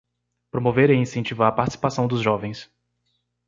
Promover e incentivar a participação dos jovens.